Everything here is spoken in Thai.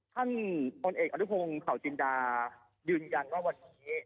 ท่านพลเอกอนุพงศ์เผาจินดายืนยันว่าวันนี้